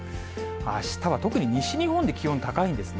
あしたは特に西日本で気温高いんですね。